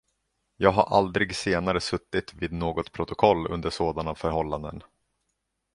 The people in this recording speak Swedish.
Jag har aldrig senare suttit vid något protokoll under sådana förhållanden.